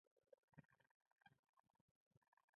بريا د چټکو خلکو په برخه کېږي.